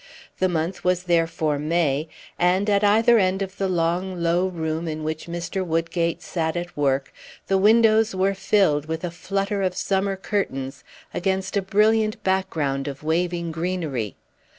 The month was therefore May, and, at either end of the long, low room in which Mr. Woodgate sat at work, the windows were filled with a flutter of summer curtains against a brilliant background of waving greenery.